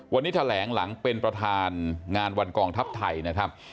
วันนี้แถลงหลังเป็นประธานงานวันกองทัพไทยนะครับ